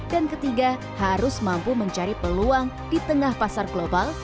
dan ketiga harus mampu mencari peluang di tengah pasar global